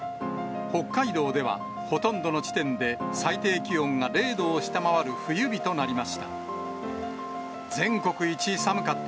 北海道ではほとんどの地点で、最低気温が０度を下回る冬日となりました。